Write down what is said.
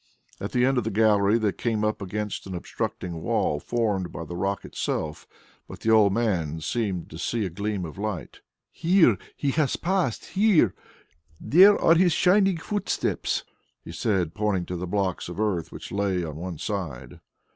At the end of the gallery they came up against an obstructing wall formed by the rock itself; but the old man seemed to see a gleam of light. "Here He has passed ... here! There are His shining footsteps," he said, pointing to the blocks of earth which lay on one side.